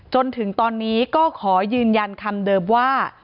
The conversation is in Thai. จนถึงตอนนี้ก็ขอยืนยันคำเดิมว่า